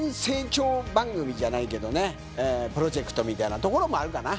じゃないけどねプロジェクトみたいなところもあるかな。